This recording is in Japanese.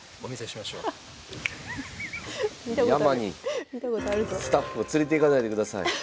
山にスタッフを連れていかないでください。